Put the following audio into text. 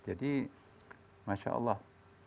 jadi masya allah